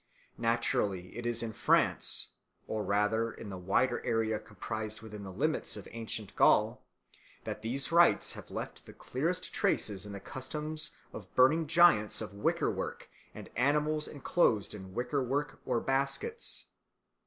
Naturally it is in France, or rather in the wider area comprised within the limits of ancient Gaul, that these rites have left the clearest traces in the customs of burning giants of wicker work and animals enclosed in wicker work or baskets.